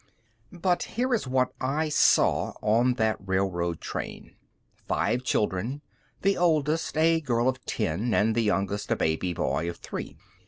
But here is what I saw on that railroad train: five children, the oldest a girl of ten, and the youngest a baby boy of three.